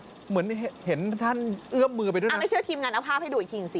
เหมือนเห็นท่านเอื้อมมือไปด้วยอ่าไม่เชื่อทีมงานเอาภาพให้ดูอีกทีสิ